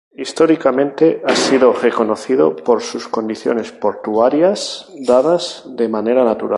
Históricamente ha sido reconocido por sus condiciones portuarias, dadas de manera natural.